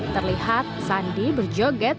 terlihat sandi berjoget